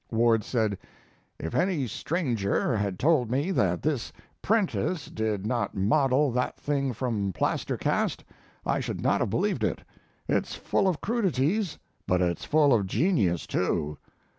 Ward said: "If any stranger had told me that this 'prentice did not model that thing from plaster casts I should not have believed it. It's full of crudities, but it's full of genius, too.